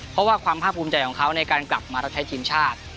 เพราะว่าความภาคภูมิใจของเขาในการกลับมารับใช้ทีมชาติ